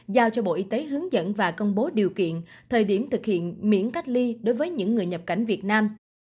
giao cho bộ y tế hướng dẫn và công bố điều kiện thời điểm thực hiện miễn cách ly đối với những người nhập cảnh việt nam